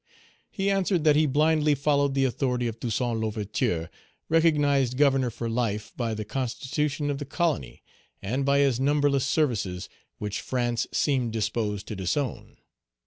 He answered that he blindly followed the authority of Toussaint L'Ouverture, recognized governor for life, by the constitution of the colony, and by his numberless services, which France seemed disposed to disown.